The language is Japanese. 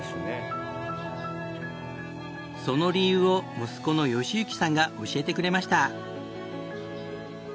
その理由を息子の善行さんが教えてくれました。